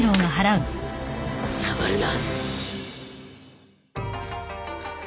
触るな。